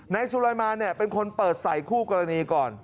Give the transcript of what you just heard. นายสุรัยมาเนี่ยเป็นคนเปิดใส่คู่กรณีก่อน